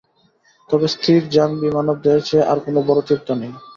তবে স্থির জানবি মানবদেহের চেয়ে আর কোন বড় তীর্থ নেই।